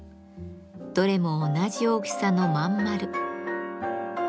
どれも同じ大きさの真ん丸。